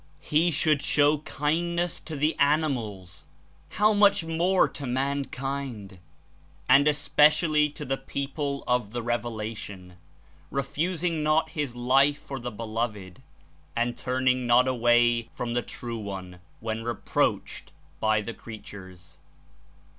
"He should show kindness to the animals; how 73 much more to mankind, and (especially) to the people of the Revelation; refusing not his life for the Be loved and turning not away from the True One when reproached by the creatures.